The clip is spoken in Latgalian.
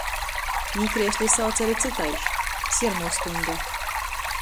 Mikriesli sauc ari cytaiž - siermuo stuņde.